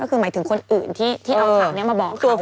ก็คือหมายถึงคนอื่นที่เอาข่าวนี้มาบอก